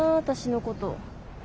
私のこと。